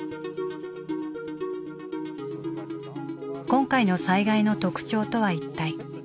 今回の災害の特徴とは一体。